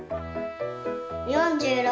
４６！